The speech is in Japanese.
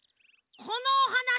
このおはなし